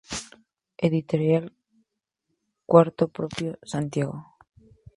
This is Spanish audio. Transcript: Editorial Cuarto Propio, Santiago.